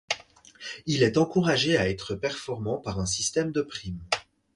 Il est encouragé à être performant par un système de prime.